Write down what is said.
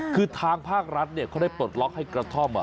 คือทางภาครัฐเขาได้ปลดล็อกให้กระท่อม